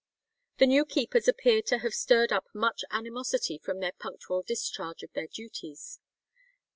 The new keepers appear to have stirred up much animosity from their punctual discharge of their duties.